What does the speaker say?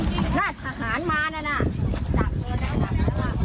ไปลงไป